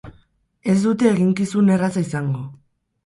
Ez dute eginkizun erraza izango.